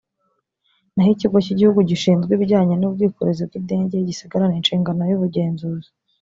naho ikigo cy’igihugu gishinzwe ibijyanye n’ubwikorezi bw’indege gisigarane inshingano y’ubugenzuzi